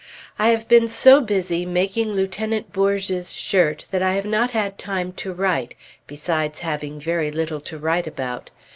I have been so busy making Lieutenant Bourge's shirt that I have not had time to write, besides having very little to write about.